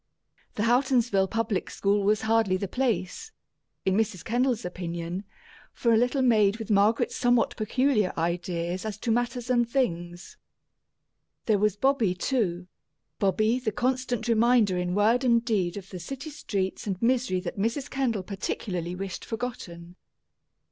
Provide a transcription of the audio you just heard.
The Houghtonsville public school was hardly the place, in Mrs. Kendall's opinion, for a little maid with Margaret's somewhat peculiar ideas as to matters and things. There was Bobby, too Bobby, the constant reminder in word and deed of the city streets and misery that Mrs. Kendall particularly wished forgotten.